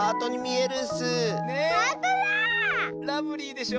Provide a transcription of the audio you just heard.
ラブリーでしょ。